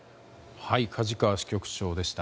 梶川支局長でした。